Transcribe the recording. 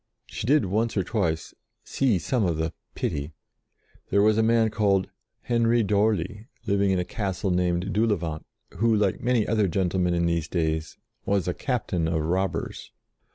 She did, once or twice, see some of the "pity." There was a man called Henry d'Orly, living in a castle named Doulevant, who, like many other gentlemen in these days, was a captain of robbers.